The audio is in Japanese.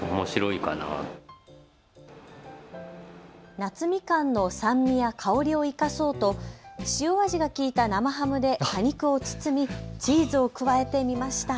夏みかんの酸味や香りを生かそうと塩味が効いた生ハムで果肉を包みチーズを加えてみました。